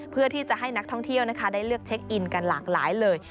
เพื่อที่จะให้นักท่องเที่ยวได้เลือกเช็คอินกันหลากหลายเลย